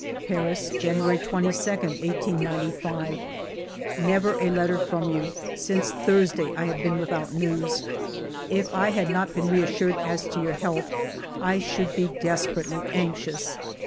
... "Paris, January 22, 1895. " Never a letter from you ; since Thursday I have been without news. If I had not been reas sured as to your health I should be desperately anxious.